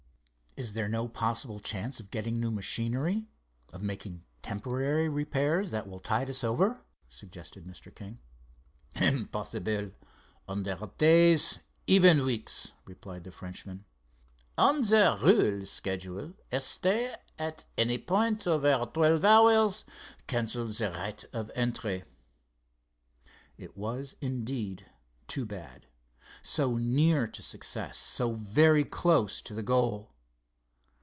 "Is there no possible chance of getting new machinery, of making temporary repairs that will tide us over?" suggested Mr. King. "Impossible, under days, even weeks," replied the Frenchman. "On the rule schedule a stay at any point over twelve hours cancels the right of entry." It was, indeed, too bad—so near to success, so very close to goal!